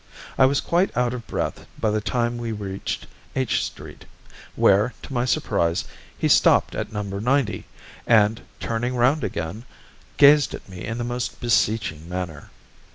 I was quite out of breath by the time we reached H Street, where, to my surprise, he stopped at No. 90 and, turning round again, gazed at me in the most beseeching manner.